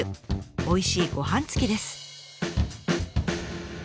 おいしいごはん付きです。